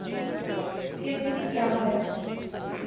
کس کی چاہ ہے